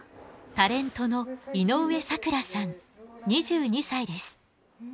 タレントの井上咲楽さん２２歳です。